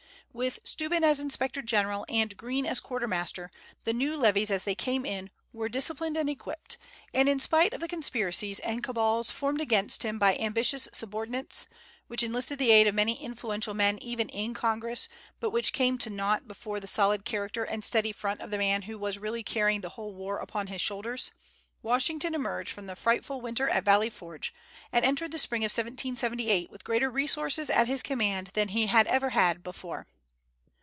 With Steuben as inspector general and Greene as quartermaster, the new levies as they came in were disciplined and equipped; and in spite of the conspiracies and cabals formed against him by ambitious subordinates, which enlisted the aid of many influential men even in Congress, but which came to nought before the solid character and steady front of the man who was really carrying the whole war upon his own shoulders, Washington emerged from the frightful winter at Valley Forge and entered the spring of 1778 with greater resources at his command than he had ever had before.